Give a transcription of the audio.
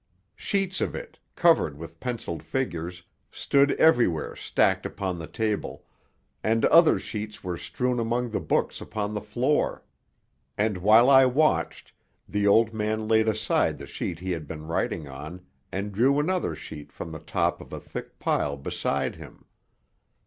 Sheets of it, covered with penciled figures, stood everywhere stacked upon the table, and other sheets were strewn among the books upon the floor; and while I watched, the old man laid aside the sheet he had been writing on and drew another sheet from the top of a thick pile beside him.